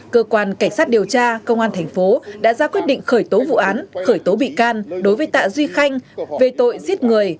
cơ quan cảnh sát điều tra công an thành phố đã ra quyết định khởi tố vụ án khởi tố bị can đối với tạ duy khanh về tội giết người